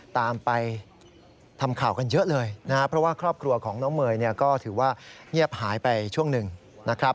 ที่มีช่วงหนึ่งนะครับ